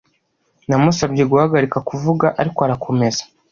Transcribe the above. Namusabye guhagarika kuvuga, ariko arakomeza.